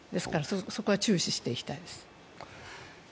そこは注視していきたいです。